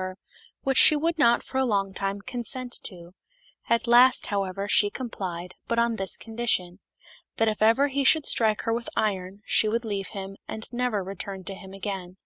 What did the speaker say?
45 her, which she would not for a long time consent to ; at last, however, she complied, but on this condition, "That if ever he should strike her with iron, she would leave him, and never return to him again."